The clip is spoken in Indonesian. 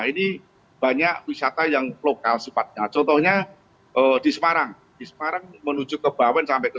ini banyak wisata yang lokal sifatnya contohnya di semarang di semarang menuju ke bawen sampai ke